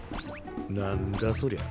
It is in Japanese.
なんだそりゃ？